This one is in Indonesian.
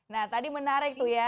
nah tadi menarik tuh ya